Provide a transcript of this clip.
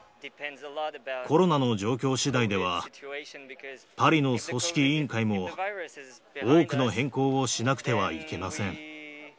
コロナの状況しだいでは、パリの組織委員会も多くの変更をしなくてはいけません。